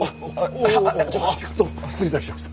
どうも失礼いたします。